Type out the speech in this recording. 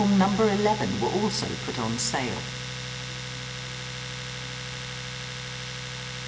開幕２戦目の先発を任された藤浪は立ち上がり。